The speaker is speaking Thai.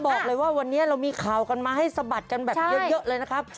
บอกเลยว่าวันนี้เรามีข่าวกันมาให้สะบัดกันแบบเยอะเลยนะครับ